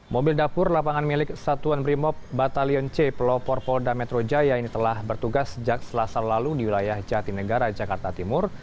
mobil dapur lapangan milik satuan brimop batalion c pelopor polda metro jaya ini telah bertugas sejak selasa lalu di wilayah jatinegara jakarta timur